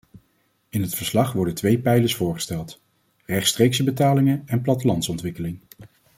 In het verslag worden twee pijlers voorgesteld: rechtstreekse betalingen en plattelandsontwikkeling.